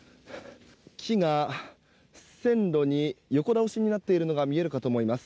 木が線路に横倒しになっているのが見えるかと思います。